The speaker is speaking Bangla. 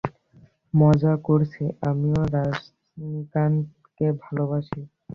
মজা করছি, আমিও রজনীকান্তকে ভালবাসি।